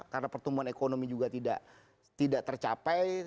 karena pertumbuhan ekonomi juga tidak tercapai